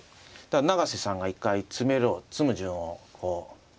永瀬さんが一回詰めろ詰む順をこう。